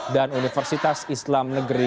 dan universitas islam negeri